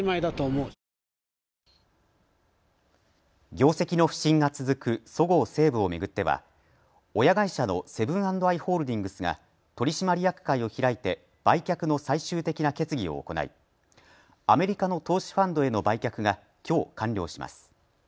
業績の不振が続くそごう・西武を巡っては親会社のセブン＆アイ・ホールディングスが取締役会を開いて売却の最終的な決議を行いアメリカの投資ファンドへの売却がきょう完了します。